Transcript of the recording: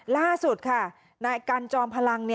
ล่าสุดค่ะในการจอมพลัง